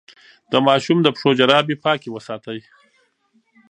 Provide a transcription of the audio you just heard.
د ماشوم د پښو جرابې پاکې وساتئ.